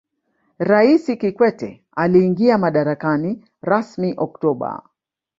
raisi kikwete aliingia madarakani rasmi oktoba